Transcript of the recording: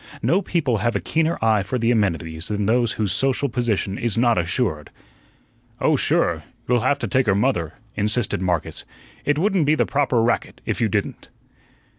No people have a keener eye for the amenities than those whose social position is not assured. "Oh, sure, you'll have to take her mother," insisted Marcus. "It wouldn't be the proper racket if you didn't."